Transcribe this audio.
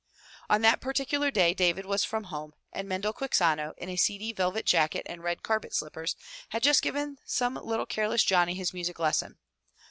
On that particular day David was from home, and Mendel Quixano, in a seedy velvet jacket and red carpet slippers, had just given some little careless Johnny his music lesson.